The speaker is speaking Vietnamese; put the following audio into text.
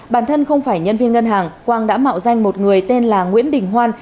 bản thân không phải nhân viên ngân hàng quang đã mạo danh một người tên là nguyễn đình hoan